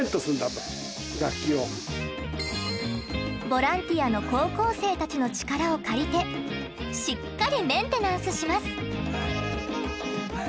ボランティアの高校生たちの力を借りてしっかりメンテナンスします。